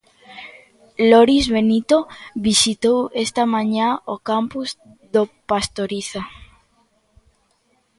Loris Benito visitou esta mañá o campus do Pastoriza.